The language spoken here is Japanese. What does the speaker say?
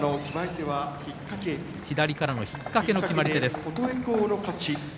左からの引っかけが決まり手です。